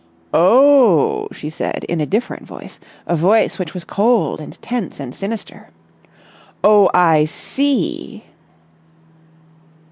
"Oh!" she said in a different voice, a voice which was cold and tense and sinister. "Oh, I see!"